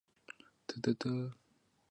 委员会推举方宗鳌为代表中国大学。